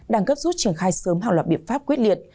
đang gấp rút triển khai sớm hàng loạt biện pháp quyết liệt